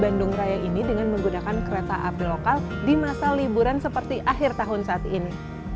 bandung raya ini dengan menggunakan kereta api lokal di masa liburan seperti akhir tahun saat ini